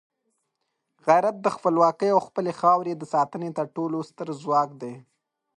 غیرت د خپلواکۍ او خپلې خاورې د ساتنې تر ټولو ستر ځواک دی.